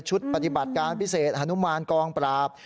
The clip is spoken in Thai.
ปฏิบัติการพิเศษฮานุมานกองปราบ